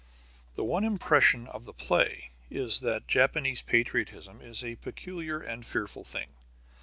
The one impression of the play is that Japanese patriotism is a peculiar and fearful thing.